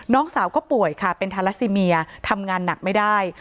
น้องสาวก็ป่วยค่ะเป็นทาราซิเมียทำงานหนักไม่ได้